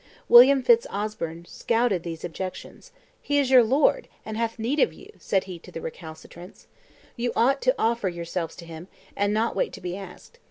William Fitz Osbern scouted these objections. "He is your lord, and hath need of you," said he to the recalcitrants; "you ought to offer yourselves to him, and not wait to be asked.